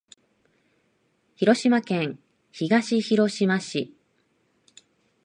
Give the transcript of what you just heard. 広島県東広島市